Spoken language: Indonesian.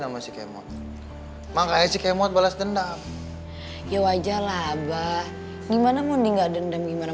sama si kemode makanya si kemode balas dendam ya wajahlah abah gimana mending gak dendam gimana